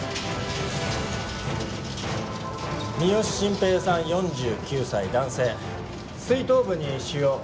三好晋平さん４９歳男性膵頭部に腫瘍。